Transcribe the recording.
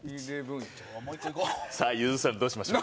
さあゆずるさんどうしましょう？